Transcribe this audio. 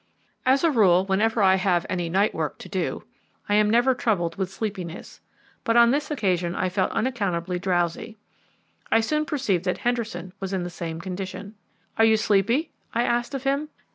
As a rule, whenever I have any night work to do, I am never troubled with sleepiness, but on this occasion I felt unaccountably drowsy. I soon perceived that Henderson was in the same condition. "Are you sleepy?" I asked of him.